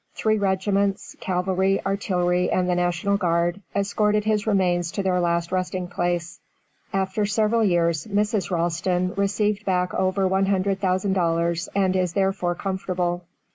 Three regiments, cavalry, artillery, and the National Guard, escorted his remains to their last resting place. After several years Mrs. Ralston received back over $100,000, and is therefore comfortable.